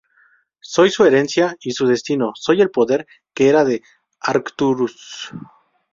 Soy su herencia y su destino, soy el poder que era de Arcturus".